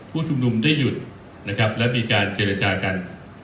ผู้ชุมนุมได้หยุดนะครับและมีการเจรจากัน